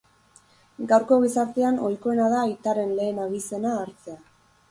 Gaurko gizartean ohikoena da aitaren lehen abizena hartzea.